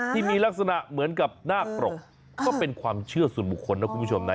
ที่มีลักษณะเหมือนกับนาคปรกก็เป็นความเชื่อส่วนบุคคลนะคุณผู้ชมนะ